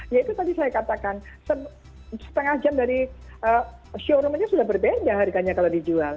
ya itu tadi saya katakan setengah jam dari showroomnya sudah berbeda harganya kalau dijual